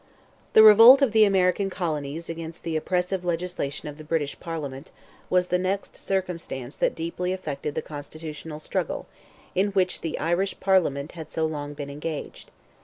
The revolt of the American colonies against the oppressive legislation of the British Parliament, was the next circumstance that deeply affected the constitutional struggle, in which the Irish Parliament had so long been engaged.